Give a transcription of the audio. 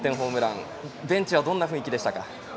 ベンチはどんな雰囲気でしたか？